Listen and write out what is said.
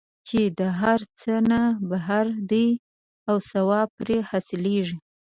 چې د هر څه نه بهتره دی او ثواب پرې حاصلیږي.